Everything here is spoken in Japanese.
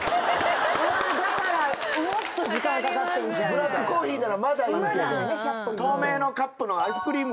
ブラックコーヒーならまだいいけど。